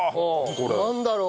なんだろう？